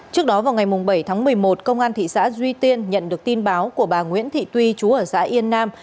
trước đó vào ngày bảy tháng một mươi một công an thị xã duy tiên nhận được tin báo của bà nguyễn thị tuy chú ở xã yên nam